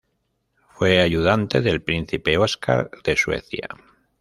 Fue ayudante del Príncipe Oscar de Suecia.